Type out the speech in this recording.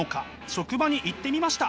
職場に行ってみました。